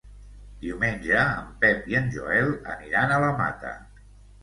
Diumenge en Pep i en Joel aniran a la Mata.